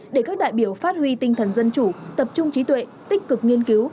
để các đại biểu phát huy tinh thần dân chủ tập trung trí tuệ tích cực nghiên cứu